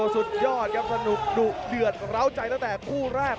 สุดยอดครับสนุกดุเดือดร้าวใจตั้งแต่คู่แรก